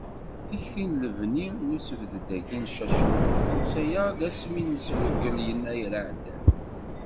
Tikti n lebni n usebddad-agi n Cacnaq, tusa-aɣ-d asmi nesfugel yennayer iɛeddan.